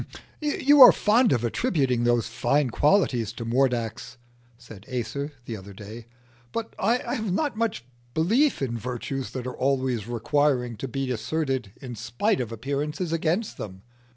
"You are fond of attributing those fine qualities to Mordax," said Acer, the other day, "but I have not much belief in virtues that are always requiring to be asserted in spite of appearances against them.